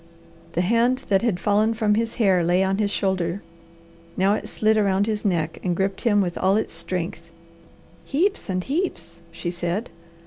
The hand that had fallen from his hair lay on his shoulder. Now it slid around his neck, and gripped him with all its strength. "Heaps and heaps!" she said.